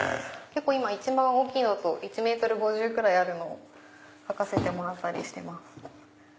今一番大きいのだと１ｍ５０くらいあるのを描かせてもらったりしてます。